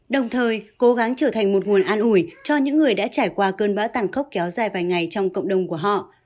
đồng thời cố gắng trở thành một nguồn an ủi cho những người đã trải qua cơn bão tàn khốc kéo dài vài ngày trong cộng đồng của họ